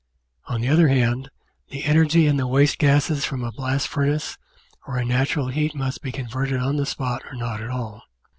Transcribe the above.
On the other hand, the energy in the waste gases from a blast furnace or in natural heat must be converted on the spot or not at all.